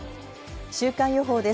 週間予報で